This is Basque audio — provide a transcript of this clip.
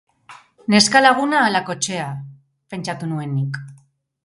Neska-laguna ala kotxea? Pentsatu nuen nik.